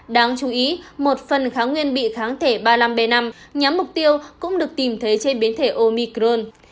đáng chú ý một phần kháng nguyên bị kháng thể ba mươi năm b năm nhắm mục tiêu cũng được tìm thấy trên biến thể omicron